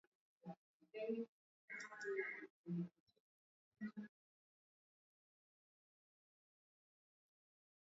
hivyo habari hizi bado zinafanyiwa utafiti